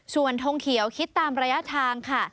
ส่วนทงเขียวคิดตามระยะทางค่ะ